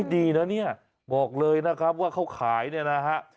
ดีนะเนี่ยบอกเลยนะครับว่าเขาขายเนี่ยนะฮะ